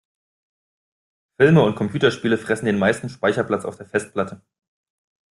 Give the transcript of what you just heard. Filme und Computerspiele fressen den meisten Speicherplatz auf der Festplatte.